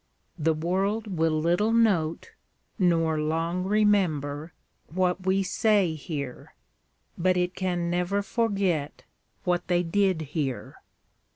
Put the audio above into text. The world will little note, nor long remember, what we say here, but it can never forget what they did here.